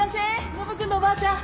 ノブ君のおばあちゃん！